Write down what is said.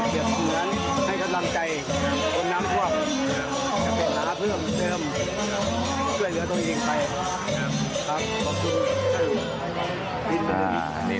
ครับขอบคุณครับบิ๊นมาดูนี้